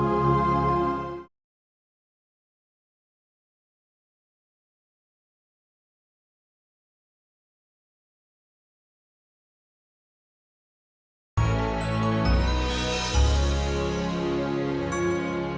aku tak pernah mengamatin kebiasaan mereka